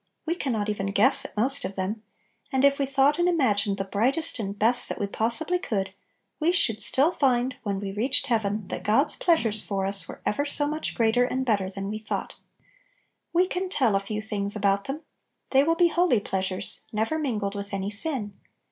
We can not even guess at most of them; and if we thought and imagined the brightest and best that we possibly could, we should still find, when we reached heaven, that God's " pleasures " for us were ever so much greater and better than we thought We can tell a few things about them. They will be holy pleasures, never mingled with any sin.